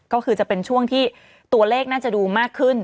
ก็คือจะเป็นช่วงที่ตัวเลขน่าจะดูมากขึ้น